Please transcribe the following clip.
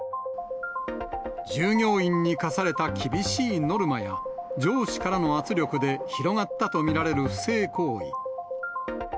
従業員に課された厳しいノルマや、上司からの圧力で、広がったと見られる不正行為。